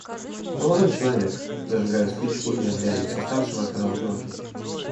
– Молодой человек, – зажигая спичку и озаряя лицо старшего, сказал Георгий.